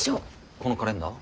このカレンダー？